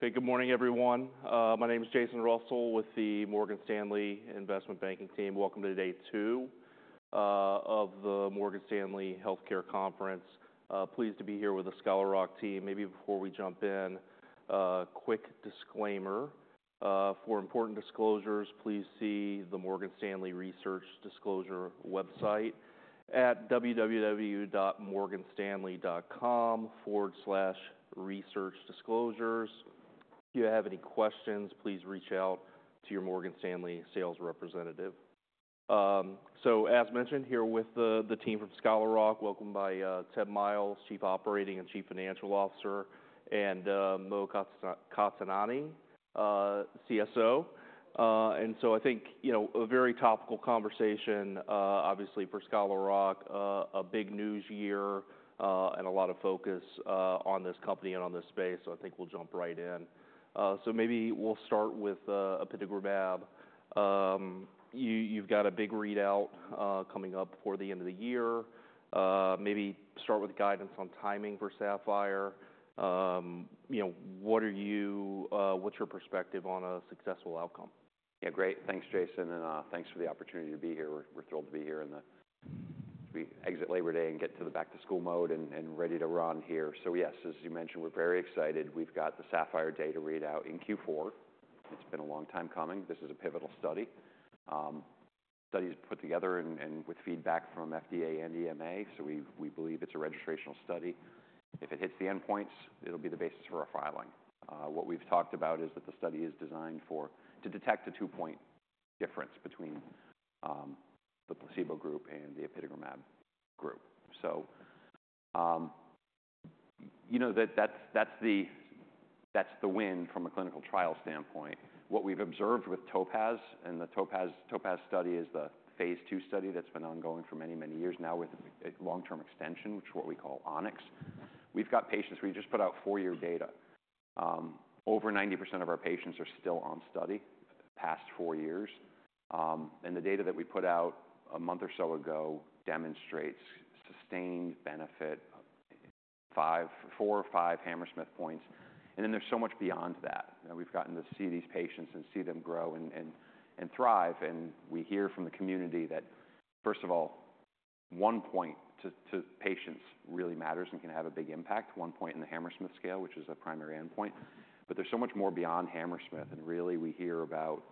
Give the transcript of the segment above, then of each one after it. Hey, good morning, everyone. My name is Jason Russell with the Morgan Stanley Investment Banking team. Welcome to day two of the Morgan Stanley Healthcare Conference. Pleased to be here with the Scholar Rock team. Maybe before we jump in, a quick disclaimer. For important disclosures, please see the Morgan Stanley Research Disclosure website at www.morganstanley.com/researchdisclosures. If you have any questions, please reach out to your Morgan Stanley sales representative. So as mentioned, here with the team from Scholar Rock, welcomed by Ted Miles, Chief Operating and Chief Financial Officer, and Mo Qatanani, CSO. I think, you know, a very topical conversation, obviously for Scholar Rock, a big news year, and a lot of focus on this company and on this space, so I think we'll jump right in. So maybe we'll start with apitegromab. You've got a big readout coming up before the end of the year. Maybe start with guidance on timing for SAPPHIRE. You know, what are you... What's your perspective on a successful outcome? Yeah, great. Thanks, Jason, and thanks for the opportunity to be here. We're thrilled to be here as we exit Labor Day and get to the back-to-school mode and ready to run here. So yes, as you mentioned, we're very excited. We've got the SAPPHIRE data readout in Q4. It's been a long time coming. This is a pivotal study. Study is put together and with feedback from FDA and EMA, so we believe it's a registrational study. If it hits the endpoints, it'll be the basis for our filing. What we've talked about is that the study is designed to detect a two-point difference between the placebo group and the apitegromab group. So you know, that's the win from a clinical trial standpoint. What we've observed with TOPAZ, and the TOPAZ study is the phase II study that's been ongoing for many, many years now, with a long-term extension, which is what we call ONYX. We've got patients. We just put out four-year data. Over 90% of our patients are still on study the past four years, and the data that we put out a month or so ago demonstrates sustained benefit, five, four or five Hammersmith points, and then there's so much beyond that. You know, we've gotten to see these patients and see them grow and thrive. And we hear from the community that, first of all, one point to patients really matters and can have a big impact, one point in the Hammersmith scale, which is a primary endpoint. But there's so much more beyond Hammersmith, and really, we hear about...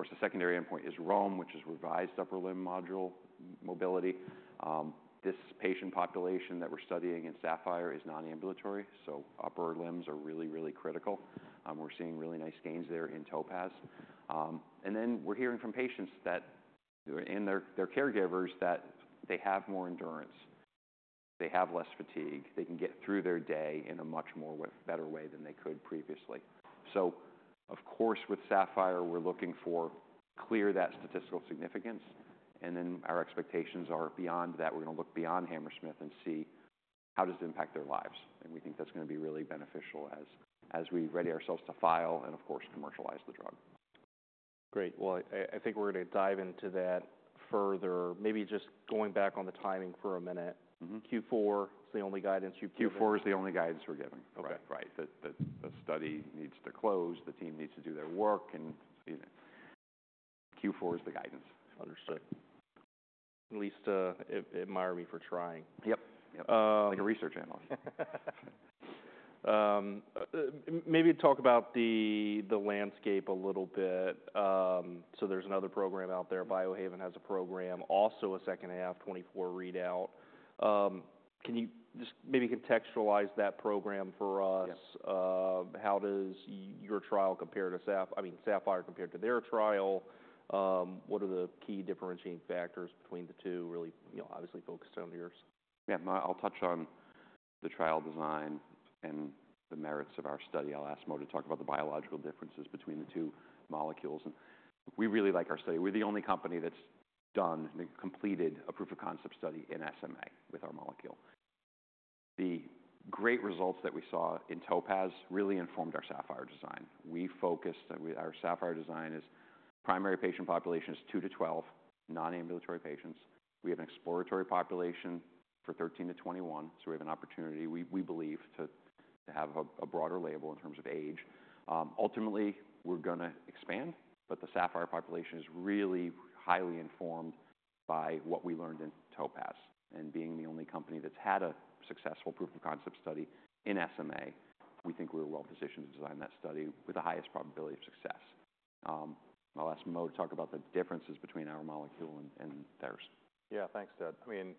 Of course, the secondary endpoint is ROM, which is Revised Upper Limb Module. This patient population that we're studying in SAPPHIRE is non-ambulatory, so upper limbs are really, really critical. We're seeing really nice gains there in TOPAZ. And then we're hearing from patients that, and their caregivers, that they have more endurance, they have less fatigue. They can get through their day in a much more way, better way than they could previously. So of course, with SAPPHIRE, we're looking for clear that statistical significance, and then our expectations are beyond that. We're going to look beyond Hammersmith and see how does it impact their lives? And we think that's going to be really beneficial as we ready ourselves to file and, of course, commercialize the drug. Great. Well, I think we're going to dive into that further. Maybe just going back on the timing for a minute. Mm-hmm. Q4 is the only guidance you've- Q4 is the only guidance we're giving. Okay. Right. The study needs to close. The team needs to do their work, and Q4 is the guidance. Understood. At least, admire me for trying. Yep, yep. Uh- Like a research analyst. Maybe talk about the landscape a little bit. So there's another program out there. Biohaven has a program, also a second half 2024 readout. Can you just maybe contextualize that program for us? Yeah. How does your trial compare to SAP... I mean, SAPPHIRE compared to their trial? What are the key differentiating factors between the two, really, you know, obviously focused on yours? Yeah. I'll touch on the trial design and the merits of our study. I'll ask Mo to talk about the biological differences between the two molecules. And we really like our study. We're the only company that's done, that completed a proof of concept study in SMA with our molecule. The great results that we saw in TOPAZ really informed our SAPPHIRE design. We focused. Our SAPPHIRE design is primary patient population is 2-12, non-ambulatory patients. We have an exploratory population for 13-21, so we have an opportunity, we, we believe, to, to have a, a broader label in terms of age. Ultimately, we're gonna expand, but the SAPPHIRE population is really highly informed by what we learned in TOPAZ. Being the only company that's had a successful proof of concept study in SMA, we think we're well positioned to design that study with the highest probability of success. I'll ask Mo to talk about the differences between our molecule and theirs. Yeah, thanks, Ted. I mean,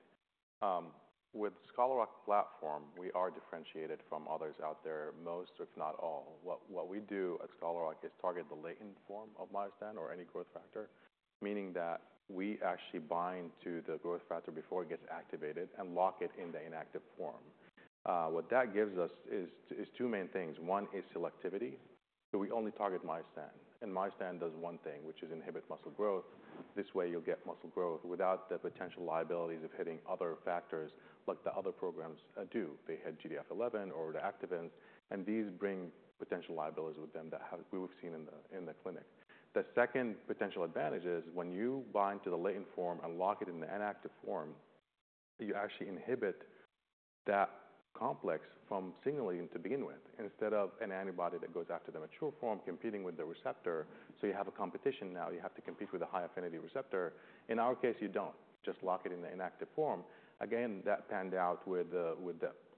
with Scholar Rock platform, we are differentiated from others out there, most, if not all. What we do at Scholar Rock is target the latent form of myostatin or any growth factor, meaning that we actually bind to the growth factor before it gets activated and lock it in the inactive form. What that gives us is two main things. One is selectivity, so we only target myostatin, and myostatin does one thing, which is inhibit muscle growth. This way, you'll get muscle growth without the potential liabilities of hitting other factors like the other programs do. They hit GDF-11 or the activins, and these bring potential liabilities with them that we've seen in the clinic. The second potential advantage is when you bind to the latent form and lock it in the inactive form, you actually inhibit-... that complex from signaling to begin with, instead of an antibody that goes after the mature form, competing with the receptor. So you have a competition now, you have to compete with a high affinity receptor. In our case, you don't. Just lock it in the inactive form. Again, that panned out with the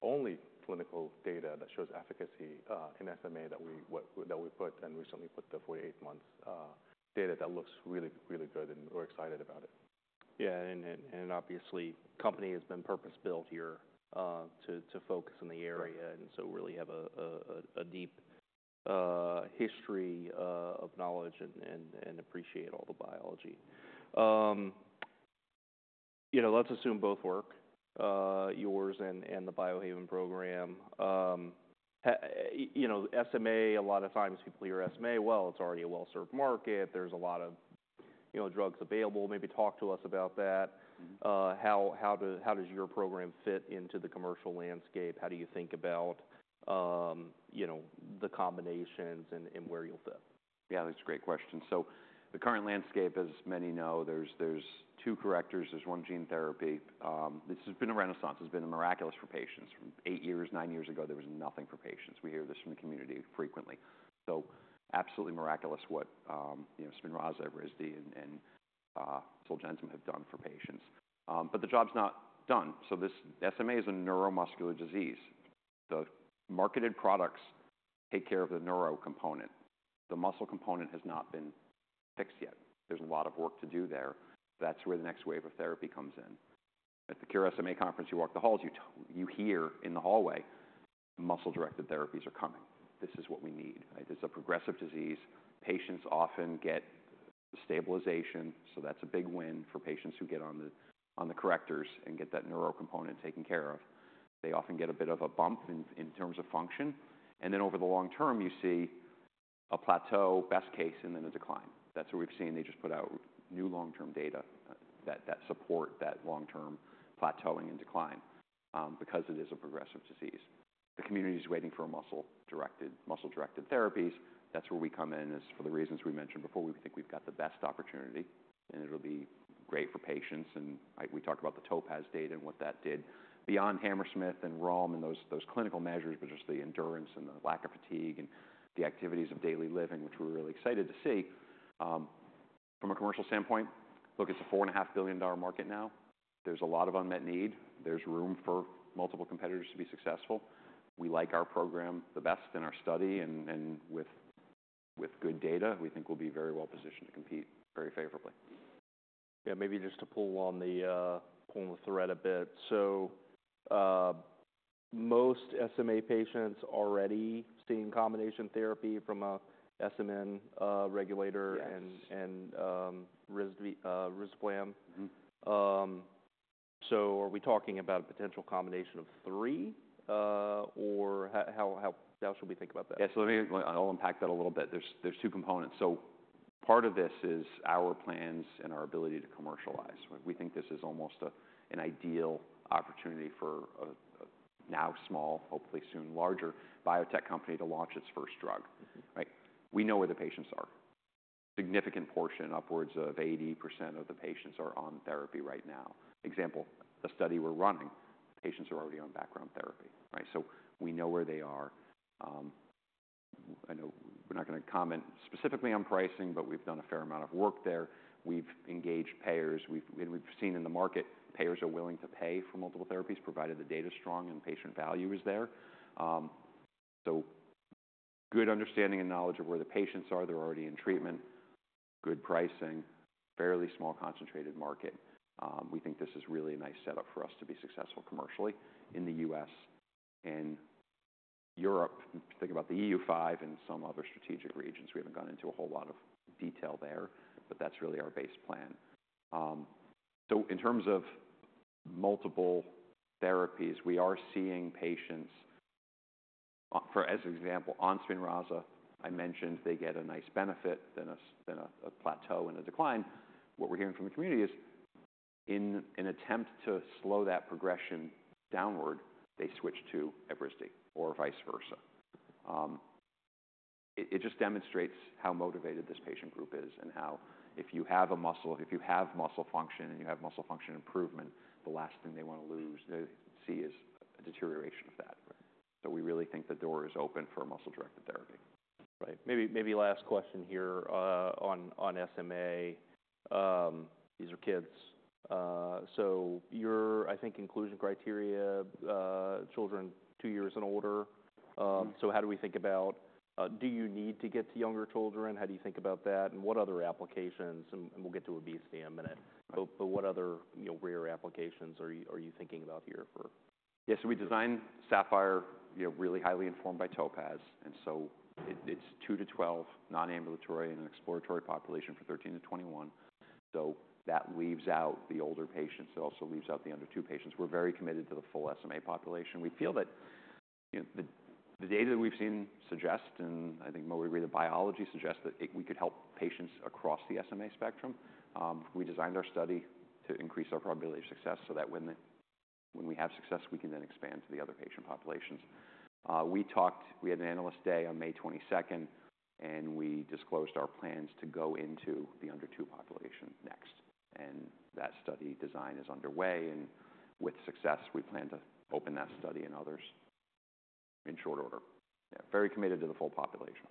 only clinical data that shows efficacy in SMA that we put and recently put the 48 months data that looks really, really good, and we're excited about it. Yeah, and obviously, company has been purpose-built here, to focus on the area, and so really have a deep history of knowledge and appreciate all the biology. You know, let's assume both work, yours and the Biohaven program. You know, SMA, a lot of times people hear SMA, "Well, it's already a well-served market. There's a lot of, you know, drugs available." Maybe talk to us about that. Mm-hmm. How does your program fit into the commercial landscape? How do you think about, you know, the combinations and where you'll fit? Yeah, that's a great question. So the current landscape, as many know, there's two correctors, there's one gene therapy. This has been a renaissance, it's been miraculous for patients. From eight years, nine years ago, there was nothing for patients. We hear this from the community frequently. So absolutely miraculous what you know, Spinraza, Evrysdi, and Zolgensma have done for patients. But the job's not done. So this SMA is a neuromuscular disease. The marketed products take care of the neuro component. The muscle component has not been fixed yet. There's a lot of work to do there. That's where the next wave of therapy comes in. At the Cure SMA conference, you walk the halls, you hear in the hallway, muscle-directed therapies are coming. This is what we need. It's a progressive disease. Patients often get stabilization, so that's a big win for patients who get on the correctors and get that neuro component taken care of. They often get a bit of a bump in terms of function, and then over the long term, you see a plateau, best case, and then a decline. That's what we've seen. They just put out new long-term data that support that long-term plateauing and decline, because it is a progressive disease. The community is waiting for a muscle-directed therapies. That's where we come in. As for the reasons we mentioned before, we think we've got the best opportunity, and it'll be great for patients. And like we talked about the TOPAZ data and what that did beyond Hammersmith and ROM and those clinical measures, which is the endurance and the lack of fatigue and the activities of daily living, which we're really excited to see. From a commercial standpoint, look, it's a $4.5 billion market now. There's a lot of unmet need. There's room for multiple competitors to be successful. We like our program the best in our study, and with good data, we think we'll be very well positioned to compete very favorably. Yeah, maybe just to pull on the thread a bit. So, most SMA patients already seeing combination therapy from a SMN regulator- Yes... and risdiplam. Mm-hmm. So are we talking about a potential combination of three, or how else should we think about that? Yeah, so let me... I'll unpack that a little bit. There's two components. So part of this is our plans and our ability to commercialize. We think this is almost an ideal opportunity for a now small, hopefully soon larger, biotech company to launch its first drug. Mm-hmm. Right? We know where the patients are. Significant portion, upwards of 80% of the patients are on therapy right now. Example, the study we're running, patients are already on background therapy, right? So we know where they are. I know we're not gonna comment specifically on pricing, but we've done a fair amount of work there. We've engaged payers. And we've seen in the market, payers are willing to pay for multiple therapies, provided the data is strong and patient value is there. So good understanding and knowledge of where the patients are. They're already in treatment, good pricing, fairly small concentrated market. We think this is really a nice setup for us to be successful commercially in the U.S. and Europe. Think about the EU5 and some other strategic regions. We haven't gone into a whole lot of detail there, but that's really our base plan. So in terms of multiple therapies, we are seeing patients, for as an example, on Spinraza. I mentioned they get a nice benefit, then a plateau and a decline. What we're hearing from the community is, in an attempt to slow that progression downward, they switch to Evrysdi or vice versa. It just demonstrates how motivated this patient group is and how if you have a muscle, if you have muscle function and you have muscle function improvement, the last thing they want to lose, see is a deterioration of that. Right. So we really think the door is open for a muscle-directed therapy. Right. Maybe last question here, on SMA. These are kids, so your inclusion criteria, I think, children two years and older. Mm-hmm. So, how do we think about, do you need to get to younger children? How do you think about that, and what other applications, and we'll get to obesity in a minute. Right. But what other, you know, rare applications are you thinking about here for? Yes, so we designed SAPPHIRE, you know, really highly informed by TOPAZ, and so it, it's two to 12, non-ambulatory, and an exploratory population for 13 to 21. So that leaves out the older patients. It also leaves out the under 2 patients. We're very committed to the full SMA population. We feel that, you know, the data that we've seen suggest, and I think when we read the biology, suggests that it, we could help patients across the SMA spectrum. We designed our study to increase our probability of success so that when we have success, we can then expand to the other patient populations. We had an Analyst Day on May twenty-second, and we disclosed our plans to go into the under 2 population next. And that study design is underway, and with success, we plan to open that study and others in short order. Yeah, very committed to the full population.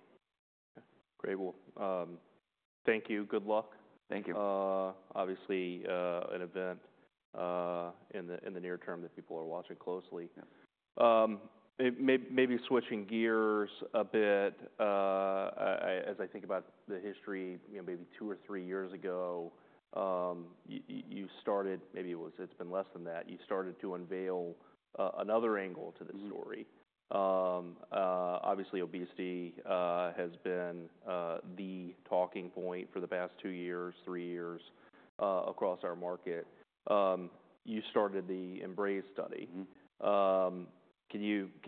Great. Well, thank you. Good luck. Thank you. Obviously, an event in the near term that people are watching closely. Yeah. Maybe switching gears a bit, as I think about the history, you know, maybe two or three years ago, you started, maybe it was, it's been less than that, you started to unveil another angle to this story. Mm-hmm. Obviously, obesity has been the talking point for the past two years, three years, across our market. You started the EMBRACE study. Mm-hmm. Can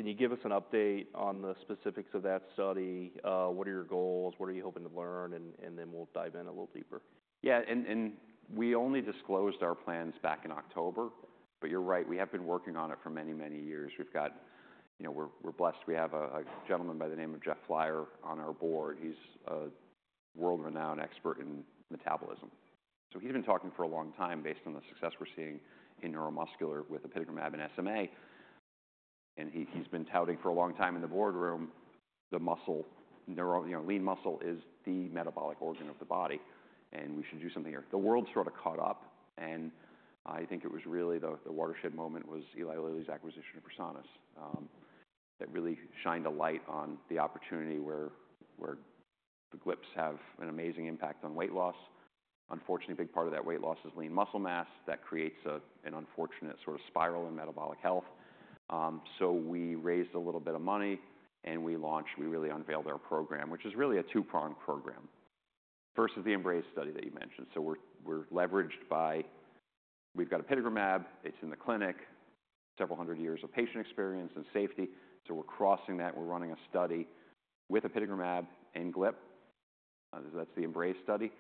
you give us an update on the specifics of that study? What are your goals? What are you hoping to learn, and then we'll dive in a little deeper. Yeah, and we only disclosed our plans back in October, but you're right, we have been working on it for many, many years. We've got you know, we're blessed. We have a gentleman by the name of Jeff Flier on our board. He's a world-renowned expert in metabolism. So he's been talking for a long time based on the success we're seeing in neuromuscular with apitegromab and SMA, and he's been touting for a long time in the boardroom you know, lean muscle is the metabolic organ of the body, and we should do something here. The world sort of caught up, and I think it was really the watershed moment was Eli Lilly's acquisition of Versanis. That really shined a light on the opportunity where the GLPs have an amazing impact on weight loss. Unfortunately, a big part of that weight loss is lean muscle mass. That creates an unfortunate sort of spiral in metabolic health. So we raised a little bit of money, and we launched. We really unveiled our program, which is really a two-pronged program. First is the EMBRACE study that you mentioned. So we're leveraged by... We've got apitegromab, it's in the clinic, several hundred years of patient experience and safety, so we're crossing that. We're running a study with apitegromab and GLP, that's the EMBRACE study,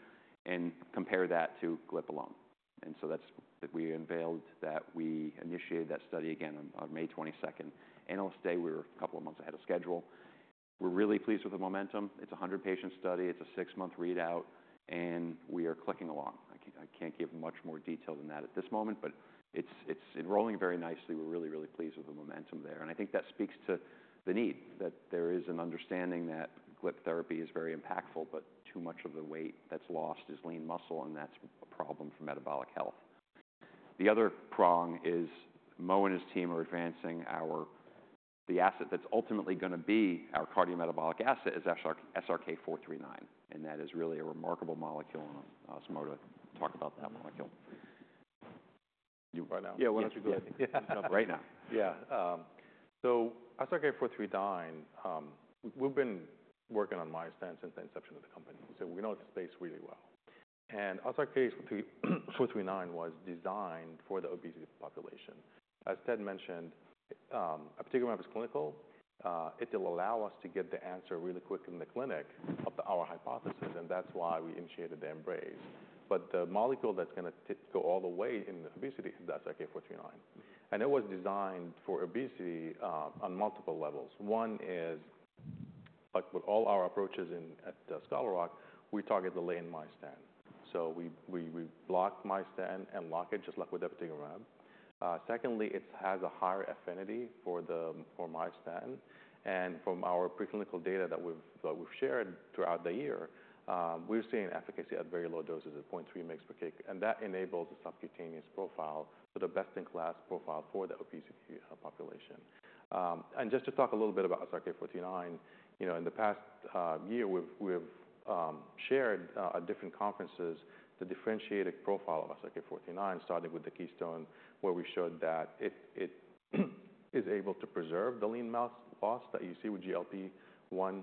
and compare that to GLP alone. And so that's, we unveiled that. We initiated that study again on May twenty-second. And I'll say we're a couple of months ahead of schedule. We're really pleased with the momentum. It's a 100-patient study. It's a six-month readout, and we are clicking along. I can't give much more detail than that at this moment, but it's enrolling very nicely. We're really, really pleased with the momentum there, and I think that speaks to the need, that there is an understanding that GLP therapy is very impactful, but too much of the weight that's lost is lean muscle, and that's a problem for metabolic health. The other prong is Mo and his team are advancing our, the asset that's ultimately gonna be our cardiometabolic asset is SRK-439, and that is really a remarkable molecule, and I'll ask Mo to talk about that molecule. Right now? Yeah, why don't you go ahead? Right now. Yeah. So SRK-439, we've been working on myostatin since the inception of the company, so we know the space really well. And SRK-439 was designed for the obesity population. As Ted mentioned, apitegromab is clinical. It will allow us to get the answer really quick in the clinic to our hypothesis, and that's why we initiated the EMBRACE. But the molecule that's gonna go all the way in obesity, that's SRK-439. And it was designed for obesity, on multiple levels. One is, like with all our approaches at Scholar Rock, we target the latent myostatin. So we block myostatin and lock it, just like with apitegromab. Secondly, it has a higher affinity for the, for myostatin, and from our preclinical data that we've shared throughout the year, we're seeing efficacy at very low doses of 0.3 mg per kg, and that enables a subcutaneous profile, so the best-in-class profile for the obesity population. And just to talk a little bit about SRK-439, you know, in the past year, we've shared at different conferences the differentiated profile of SRK-439, starting with the Keystone, where we showed that it is able to preserve the lean mass loss that you see with GLP-1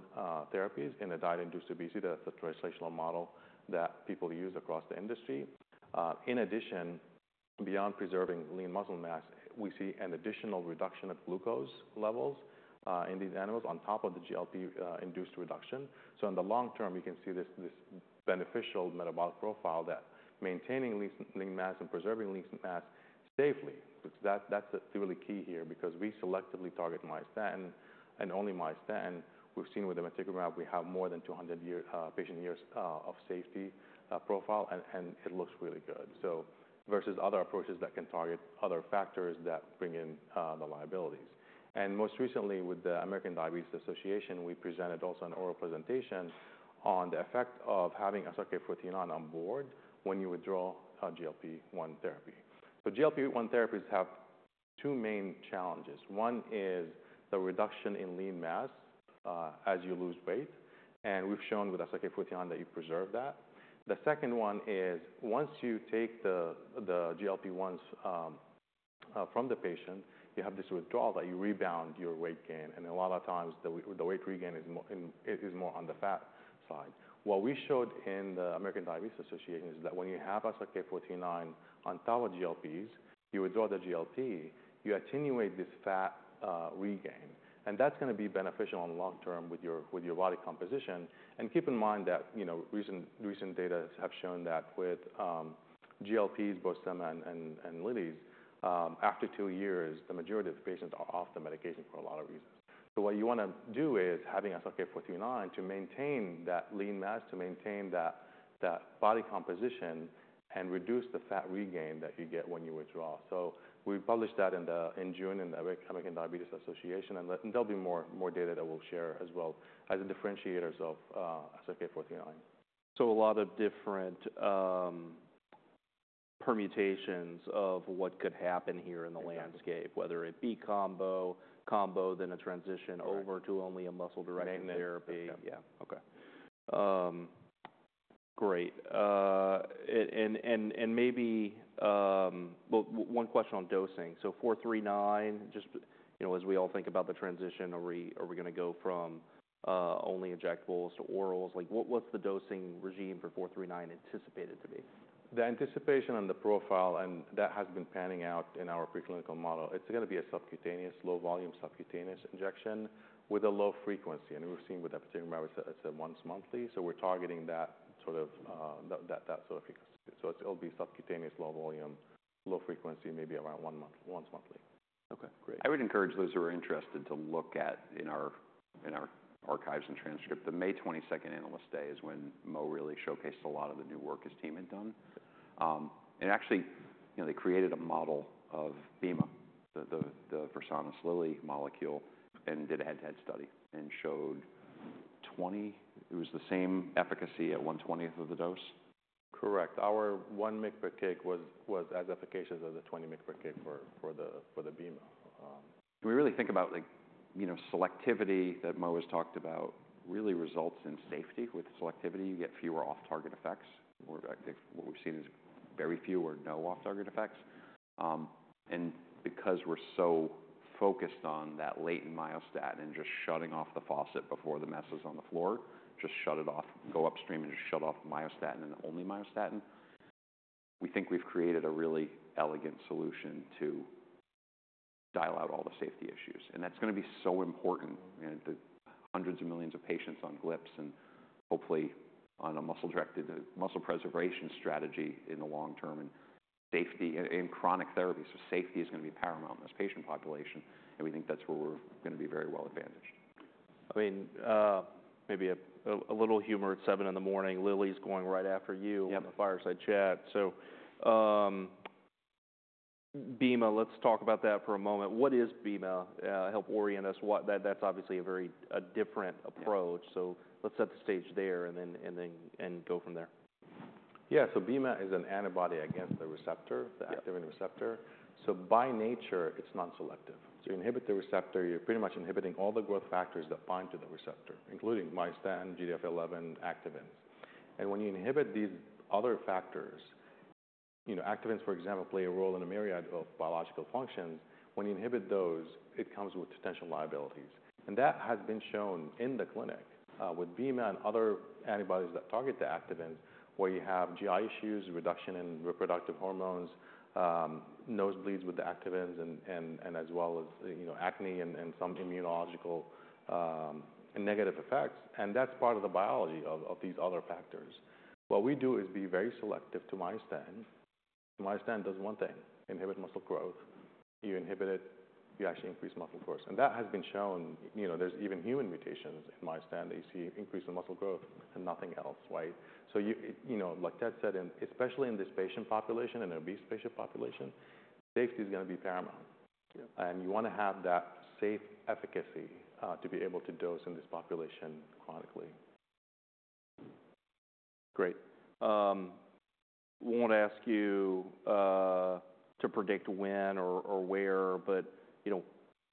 therapies in a diet-induced obesity. That's the translational model that people use across the industry. In addition, beyond preserving lean muscle mass, we see an additional reduction of glucose levels, in these animals on top of the GLP-1 induced reduction. So in the long term, we can see this beneficial metabolic profile that maintaining lean mass and preserving lean mass safely. That's really key here because we selectively target myostatin and only myostatin. We've seen with the bimagrumab, we have more than two hundred patient years of safety profile, and it looks really good. So versus other approaches that can target other factors that bring in the liabilities. And most recently, with the American Diabetes Association, we presented also an oral presentation on the effect of having SRK-439 on board when you withdraw a GLP-1 therapy. But GLP-1 therapies have two main challenges. One is the reduction in lean mass as you lose weight, and we've shown with SRK-439 that you preserve that. The second one is once you take the GLP-1s from the patient, you have this withdrawal, that you rebound your weight gain, and a lot of times, the weight regain is more on the fat side. What we showed in the American Diabetes Association is that when you have SRK-439 on top of GLPs, you withdraw the GLP, you attenuate this fat regain, and that's gonna be beneficial on long term with your body composition, and keep in mind that you know recent data have shown that with GLPs, both Sema and Lilly's after two years, the majority of the patients are off the medication for a lot of reasons. What you want to do is, having SRK-439, to maintain that lean mass, to maintain that, that body composition, and reduce the fat regain that you get when you withdraw. We published that in June, in the American Diabetes Association, and there'll be more, more data that we'll share as well as the differentiators of SRK-439. So a lot of different permutations of what could happen here in the landscape- Exactly. whether it be combo, then a transition over- Right. to only a muscle-directed therapy. Yeah. Okay. Great. And maybe, well, one question on dosing. So four three nine, just, you know, as we all think about the transition, are we going to go from only injectables to orals? Like, what's the dosing regimen for four three nine anticipated to be? The anticipation and the profile, and that has been panning out in our preclinical model. It's going to be a subcutaneous, low-volume subcutaneous injection with a low frequency. And we've seen with apitegromab, it's a once monthly, so we're targeting that sort of, that sort of frequency. So it'll be subcutaneous, low volume, low frequency, maybe around one month, once monthly. Okay, great. I would encourage those who are interested to look at, in our archives and transcript. The May twenty-second Analyst Day is when Mo really showcased a lot of the new work his team had done. And actually, you know, they created a model of Bema, the Versanis Lilly molecule, and did a head-to-head study and showed twenty. It was the same efficacy at one-twentieth of the dose. Correct. Our one mg per kg was as efficacious as the twenty mg per kg for the Bema. We really think about like, you know, selectivity that Mo has talked about really results in safety. With selectivity, you get fewer off-target effects. We're, I think, what we've seen is very few or no off-target effects. And because we're so focused on that latent myostatin and just shutting off the faucet before the mess is on the floor, just shut it off, go upstream and just shut off myostatin and only myostatin. We think we've created a really elegant solution to dial out all the safety issues, and that's going to be so important in the hundreds of millions of patients on GLPs and hopefully on a muscle-directed, muscle preservation strategy in the long term and safety in chronic therapy, so safety is going to be paramount in this patient population, and we think that's where we're going to be very well-advantaged. I mean, maybe a little humor at seven in the morning. Lilly's going right after you- Yep In the fireside chat. So, Bema, let's talk about that for a moment. What is Bema? Help orient us. What... That's obviously a very different approach. Yeah. So let's set the stage there and then and go from there. Yeah. So Bema is an antibody against the receptor- Yeah The activin receptor, so by nature, it's non-selective, so you inhibit the receptor, you're pretty much inhibiting all the growth factors that bind to the receptor, including myostatin, GDF-11, activin, and when you inhibit these other factors, you know, activins, for example, play a role in a myriad of biological functions. When you inhibit those, it comes with potential liabilities, and that has been shown in the clinic with Bema and other antibodies that target the activins, where you have GI issues, reduction in reproductive hormones, nosebleeds with the activins, and as well as, you know, acne and some immunological negative effects. And that's part of the biology of these other factors. What we do is be very selective to myostatin. Myostatin does one thing, inhibit muscle growth. You inhibit it, you actually increase muscle growth. That has been shown, you know. There's even human mutations in myostatin that you see increase in muscle growth and nothing else, right? So you know, like Ted said, especially in this patient population, an obese patient population, safety is going to be paramount. Yeah. You want to have that safe efficacy to be able to dose in this population chronically. Great. Won't ask you to predict when or where, but you know,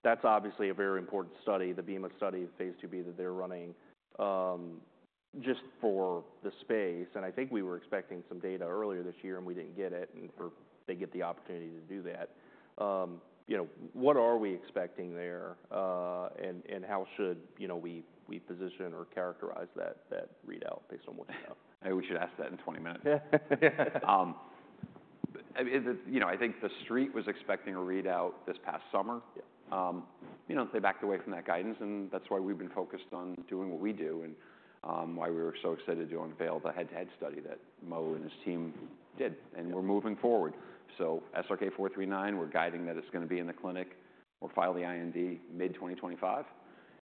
that's obviously a very important study, the Bema study, the phase 2b that they're running, just for the space. And I think we were expecting some data earlier this year, and we didn't get it, and hopefully they get the opportunity to do that. You know, what are we expecting there, and how should we position or characterize that readout based on what you know? Maybe we should ask that in twenty minutes. You know, I think the street was expecting a readout this past summer. Yeah. You know, they backed away from that guidance, and that's why we've been focused on doing what we do and, why we were so excited to unveil the head-to-head study that Mo and his team did, and we're moving forward. SRK-439, we're guiding that it's going to be in the clinic. We'll file the IND mid-2025.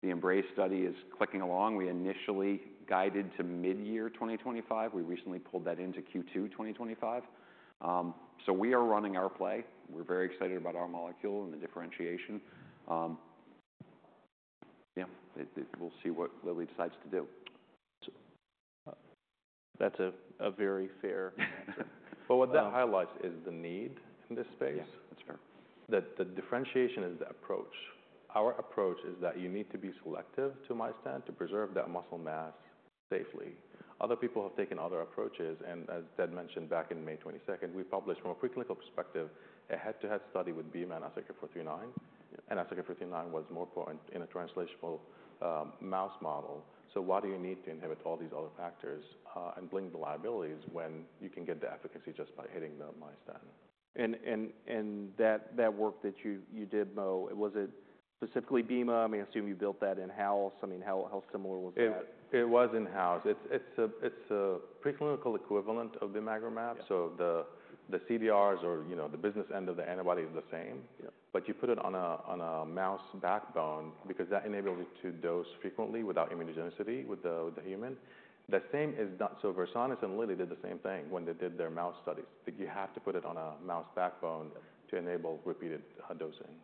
The Embrace study is clicking along. We initially guided to mid-year 2025. We recently pulled that into Q2 2025. So we are running our play. We're very excited about our molecule and the differentiation. Yeah, it, we'll see what Lilly decides to do. That's a very fair answer. But what that highlights is the need in this space. Yeah, that's fair. That the differentiation is the approach. Our approach is that you need to be selective to myostatin to preserve that muscle mass safely. Other people have taken other approaches, and as Ted mentioned, back in May twenty-second, we published, from a preclinical perspective, a head-to-head study with Bema and SRK-439, and SRK-439 was more potent in a translational, mouse model. So why do you need to inhibit all these other factors, and bring the liabilities when you can get the efficacy just by hitting the myostatin? That work that you did, Mo, was it specifically Bema? I mean, I assume you built that in-house. I mean, how similar was that? It was in-house. It's a preclinical equivalent of bimagrumab. Yeah. So, the CDRs or, you know, the business end of the antibody is the same. Yeah. But you put it on a mouse backbone because that enables you to dose frequently without immunogenicity with the human. The same is done. So Versanis and Lilly did the same thing when they did their mouse studies, that you have to put it on a mouse backbone to enable repeated dosing.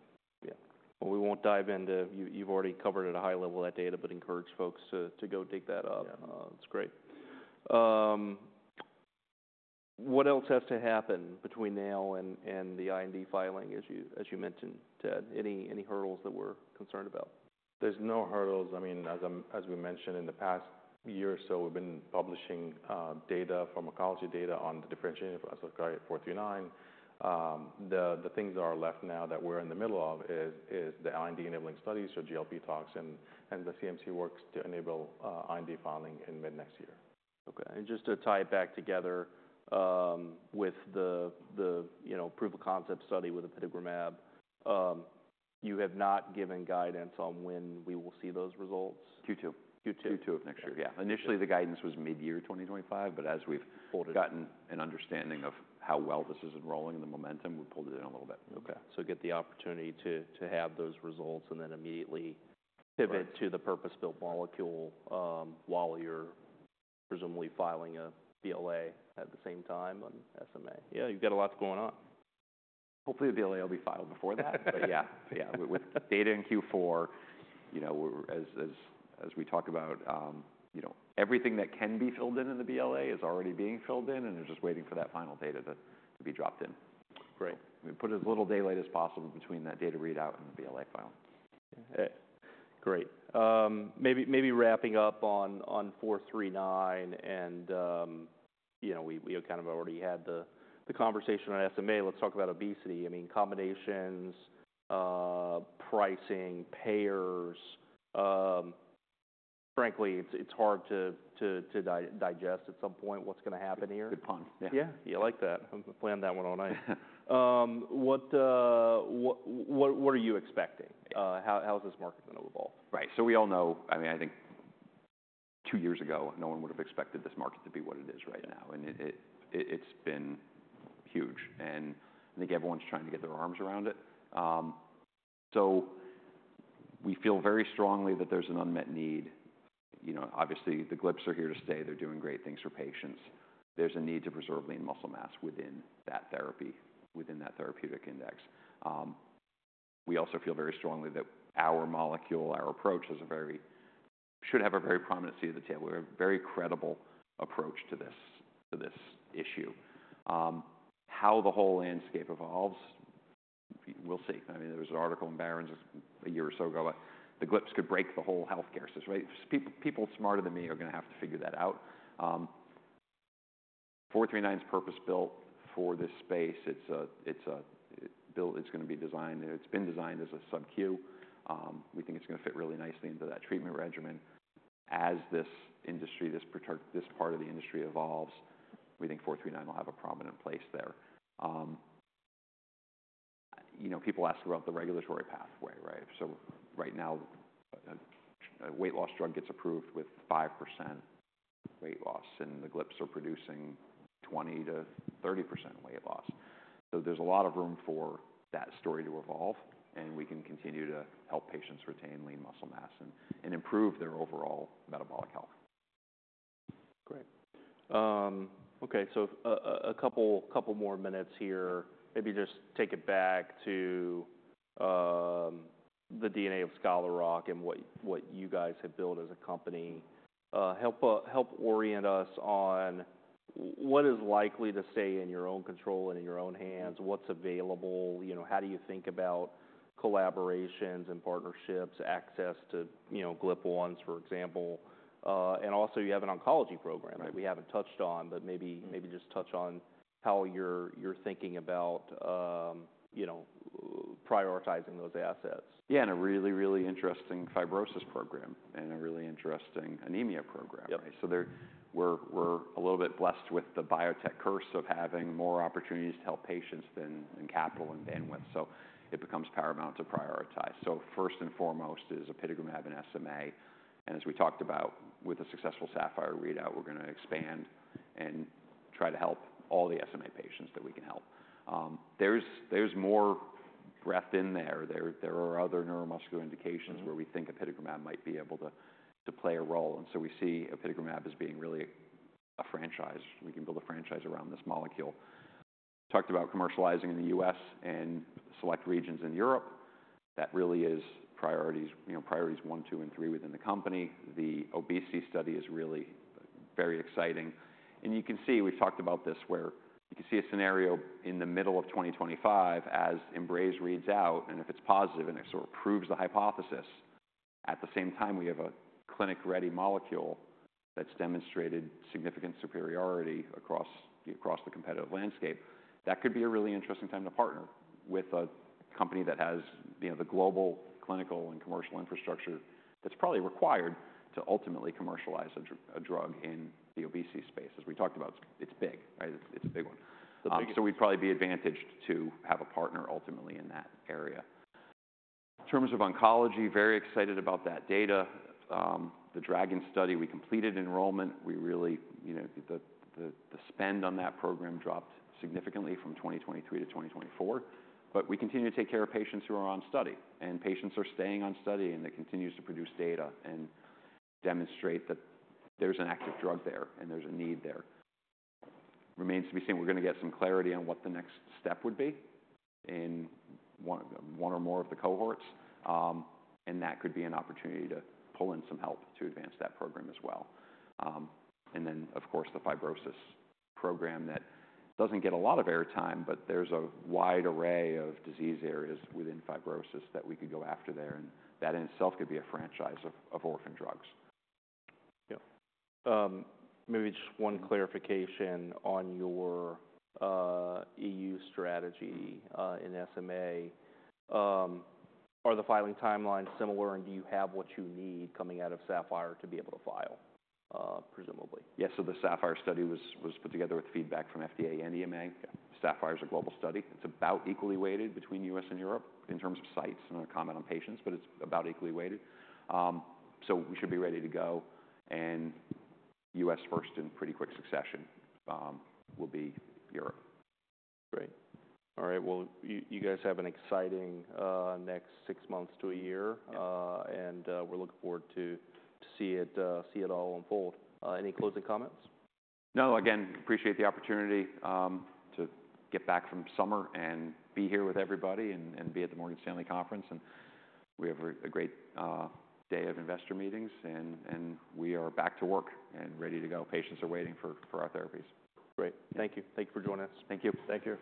Yeah. ... Well, we won't dive into. You've already covered at a high level that data, but encourage folks to go dig that up. Yeah. That's great. What else has to happen between now and the IND filing, as you mentioned, Ted? Any hurdles that we're concerned about? There's no hurdles. I mean, as we mentioned in the past year or so, we've been publishing data, pharmacology data on the differentiated SRK-439. The things that are left now that we're in the middle of is the IND-enabling study, so GLP tox and the CMC works to enable IND filing in mid next year. Okay, and just to tie it back together, with the you know, proof of concept study with apitegromab, you have not given guidance on when we will see those results? Q2. Q2. Q2 of next year. Yeah. Initially, the guidance was mid-year 2025, but as we've- Pulled it. Gotten an understanding of how well this is enrolling and the momentum, we pulled it in a little bit. Okay, so get the opportunity to have those results and then immediately- Right Pivot to the purpose-built molecule, while you're presumably filing a BLA at the same time on SMA. Yeah, you've got a lot going on. Hopefully, the BLA will be filed before that. But yeah. With data in Q4, you know, we're... As we talked about, you know, everything that can be filled in in the BLA is already being filled in, and they're just waiting for that final data to be dropped in. Great. We put as little daylight as possible between that data readout and the BLA file. Great. Maybe wrapping up on SRK-439 and you know, we have kind of already had the conversation on SMA. Let's talk about obesity. I mean, combinations, pricing, payers, frankly, it's hard to digest at some point what's gonna happen here. Good pun. Yeah. Yeah? You like that. I planned that one all night. What are you expecting? How is this market gonna evolve? Right. So we all know, I mean, I think two years ago, no one would have expected this market to be what it is right now, and it's been huge, and I think everyone's trying to get their arms around it. So we feel very strongly that there's an unmet need. You know, obviously, the GLPs are here to stay. They're doing great things for patients. There's a need to preserve lean muscle mass within that therapy, within that therapeutic index. We also feel very strongly that our molecule, our approach, is a very should have a very prominent seat at the table. We have a very credible approach to this, to this issue. How the whole landscape evolves, we'll see. I mean, there was an article in Barron's a year or so ago, the GLPs could break the whole healthcare system, right? People, people smarter than me are gonna have to figure that out. Four three nine's purpose-built for this space. It's gonna be designed, it's been designed as a SubQ. We think it's gonna fit really nicely into that treatment regimen. As this industry, this part of the industry evolves, we think four three nine will have a prominent place there. You know, people ask about the regulatory pathway, right? So right now, a weight loss drug gets approved with 5% weight loss, and the GLPs are producing 20%-30% weight loss. So there's a lot of room for that story to evolve, and we can continue to help patients retain lean muscle mass and improve their overall metabolic health. Great. Okay, so a couple more minutes here. Maybe just take it back to the DNA of Scholar Rock and what you guys have built as a company. Help orient us on what is likely to stay in your own control and in your own hands? What's available? You know, how do you think about collaborations and partnerships, access to, you know, GLP-1s, for example? And also, you have an oncology program- Right... that we haven't touched on, but maybe- Mm-hmm... maybe just touch on how you're thinking about, you know, prioritizing those assets. Yeah, and a really, really interesting fibrosis program and a really interesting anemia program. Yep. So, we're a little bit blessed with the biotech curse of having more opportunities to help patients than capital and bandwidth, so it becomes paramount to prioritize. First and foremost is apitegromab and SMA, and as we talked about with a successful Sapphire readout, we're gonna expand and try to help all the SMA patients that we can help. There's more breadth in there. There are other neuromuscular indications- Mm-hmm... where we think apitegromab might be able to play a role, and so we see apitegromab as being really a franchise. We can build a franchise around this molecule. Talked about commercializing in the US and select regions in Europe. That really is priorities, you know, priorities one, two, and three within the company. The obesity study is really very exciting, and you can see, we've talked about this, where you can see a scenario in the middle of twenty twenty-five as EMBRACE reads out, and if it's positive and it sort of proves the hypothesis, at the same time, we have a clinic-ready molecule that's demonstrated significant superiority across the competitive landscape. That could be a really interesting time to partner with a company that has, you know, the global, clinical, and commercial infrastructure that's probably required to ultimately commercialize a drug in the obesity space. As we talked about, it's big, right? It's a big one. The biggest. So we'd probably be advantaged to have a partner ultimately in that area. In terms of oncology, very excited about that data. The DRAGON study, we completed enrollment. We really you know, the spend on that program dropped significantly from 2023 to 2024, but we continue to take care of patients who are on study, and patients are staying on study, and it continues to produce data and demonstrate that there's an active drug there and there's a need there. Remains to be seen. We're gonna get some clarity on what the next step would be in one or more of the cohorts, and that could be an opportunity to pull in some help to advance that program as well. And then, of course, the fibrosis program that doesn't get a lot of airtime, but there's a wide array of disease areas within fibrosis that we could go after there, and that in itself could be a franchise of orphan drugs. Yeah. Maybe just one clarification on your EU strategy in SMA. Are the filing timelines similar, and do you have what you need coming out of Sapphire to be able to file, presumably? Yes. So the SAPPHIRE study was put together with feedback from FDA and EMA. Yeah. SAPPHIRE is a global study. It's about equally weighted between US and Europe in terms of sites. I'm not gonna comment on patients, but it's about equally weighted. So we should be ready to go, and US first in pretty quick succession, will be Europe. Great. All right. You guys have an exciting next six months to a year. Yeah. And we're looking forward to see it all unfold. Any closing comments? No. Again, appreciate the opportunity to get back from summer and be here with everybody and be at the Morgan Stanley conference, and we have a great day of investor meetings, and we are back to work and ready to go. Patients are waiting for our therapies. Great. Thank you. Thank you for joining us. Thank you. Thank you.